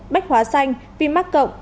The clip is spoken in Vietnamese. bách hóa xanh vi mắc cộng